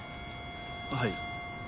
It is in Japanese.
はい？